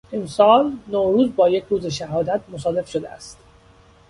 امسال نوروز با یک روز شهادت مصادف شده است.